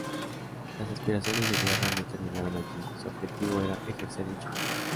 Las aspiraciones de Guerra no terminaron allí; su objetivo era ejercer en Chile.